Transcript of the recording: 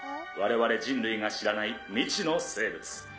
われわれ人類が知らない未知の生物。